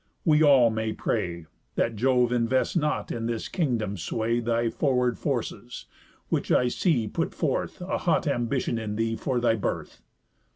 We all may pray, That Jove invest not in this kingdom's sway Thy forward forces, which I see put forth A hot ambition in thee for thy birth."